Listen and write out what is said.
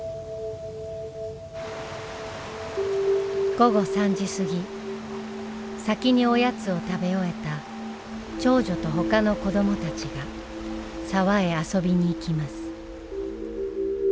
午後３時過ぎ先におやつを食べ終えた長女と他の子どもたちが沢へ遊びに行きます。